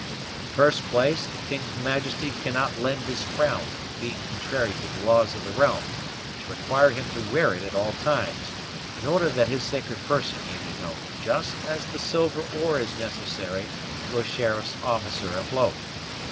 In the first place, the king's majesty cannot lend his crown, it being contrary to the laws of the realm, which require him to wear it at all times, in order that his sacred person may be known, just as the silver oar is necessary to a sheriff's officer afloat.